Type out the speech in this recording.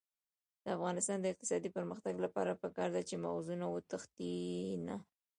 د افغانستان د اقتصادي پرمختګ لپاره پکار ده چې مغزونه وتښتي نه.